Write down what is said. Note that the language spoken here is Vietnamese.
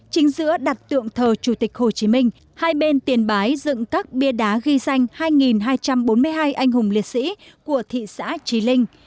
chính giữa đặt tượng thờ chủ tịch hồ chí minh hai bên tiền bái dựng các bia đá ghi danh hai hai trăm bốn mươi hai anh hùng liệt sĩ của thị xã trí linh